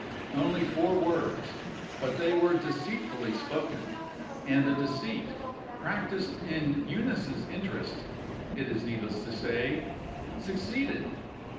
Only four words! But they were deceitfully spoken, and the deceit practiced in Eunice's interest, it is needless to say succeeded.